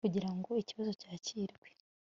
kugira ngo ikibazo cyakirwe